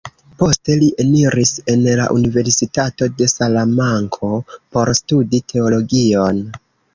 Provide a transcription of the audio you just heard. Poste li eniris en la Universitato de Salamanko, por studi Teologion.